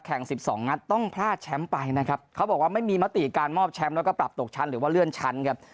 สิบสองนัดต้องพลาดแชมป์ไปนะครับเขาบอกว่าไม่มีมติการมอบแชมป์แล้วก็ปรับตกชั้นหรือว่าเลื่อนชั้นครับ